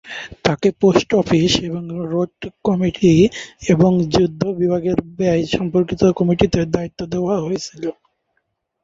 তাকে post office এবং post road committee এবং যুদ্ধ বিভাগের ব্যয় সম্পর্কিত কমিটিতে দায়িত্ব দেওয়া হয়েছিল।